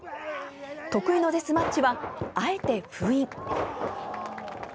得意のデスマッチはあえて封印。